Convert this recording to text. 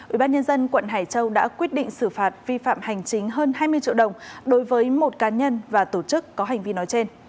ubnd quận hải châu đã quyết định xử phạt vi phạm hành chính hơn hai mươi triệu đồng đối với một cá nhân và tổ chức có hành vi nói trên